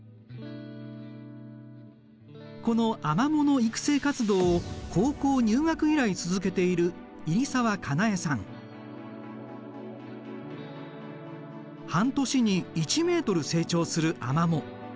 このアマモの育成活動を高校入学以来続けている半年に１ｍ成長するアマモ。